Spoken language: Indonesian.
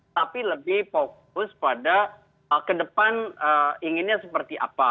tapi lebih fokus pada ke depan inginnya seperti apa